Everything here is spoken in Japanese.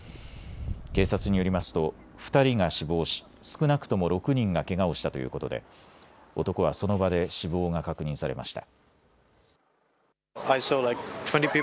警察によりますと２人が死亡し少なくとも６人がけがをしたということで男はその場で死亡が確認されました。